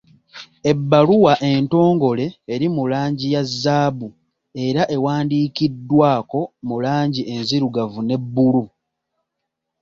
Ebbaluwa entongole eri mu langi ya zzaabu era ewandiikiddwako mu langi enzirugavu ne bbulu.